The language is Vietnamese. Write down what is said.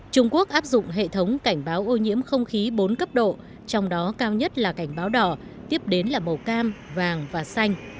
trung quốc áp dụng hệ thống cảnh báo ô nhiễm không khí bốn cấp độ trong đó cao nhất là cảnh báo đỏ tiếp đến là màu cam vàng và xanh